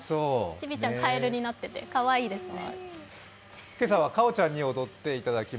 チビちゃん、カエルになっててかわいいですね。